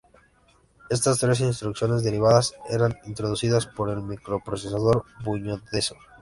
Estas tres instrucciones derivadas serán introducidas en el microprocesador Bulldozer.